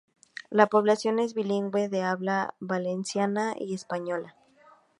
La población es bilingüe de habla valenciana y española.